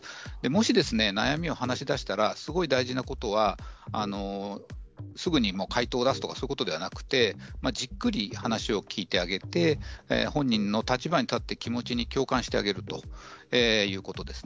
もし悩みを話しだしたらすごく大事なことはすぐに解答を出す、そういうことではなくてじっくり話を聞いてあげて本人の立場に立って気持ちに共感してあげるということです。